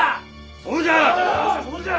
そうじゃ！